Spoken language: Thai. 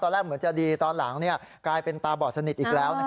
แรกเหมือนจะดีตอนหลังกลายเป็นตาบอดสนิทอีกแล้ว